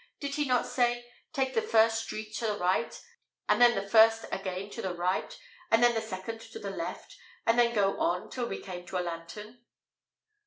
Did he not say, Take the first street to the right, and then the first again to the right, and then the second to the left, and then go on till we came to a lantern?"